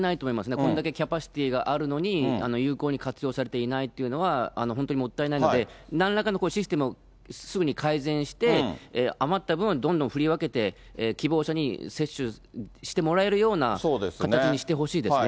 こんだけキャパシティーがあるのに、有効に活用されていないっていうのは、本当にもったいないので、なんらかのシステムをすぐに改善して、余った分はどんどん振り分けて、希望者に接種してもらえるような形にしてほしいですね。